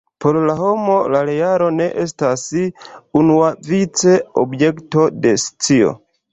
Por la homo la realo ne estas unuavice objekto de scio.